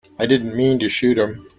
I didn't mean to shoot him.